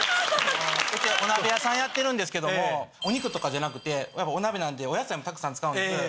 うちお鍋屋さんやってるんですけどもお肉とかじゃなくてお鍋なんでお野菜もたくさん使うんです。